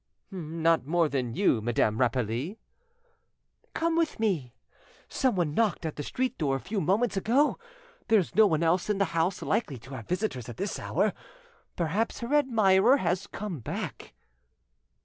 "Not more than you, Madame Rapally." "Come with me. Someone knocked at the street door a few moments ago; there's no one else in the douse likely to have visitors at this hour. Perhaps her admirer has come back."